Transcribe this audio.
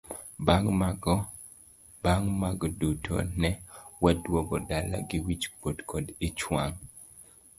Bang' mag duto ne waduogo dala gi wich kuot kod ich wang'.